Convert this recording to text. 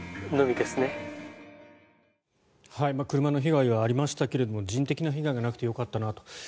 車の被害はありましたけれども人的な被害がなくてよかったなと。